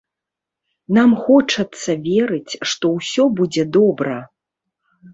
Нам хочацца верыць, што ўсё будзе добра.